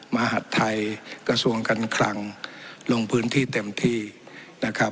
มหาดไทยกระทรวงการคลังลงพื้นที่เต็มที่นะครับ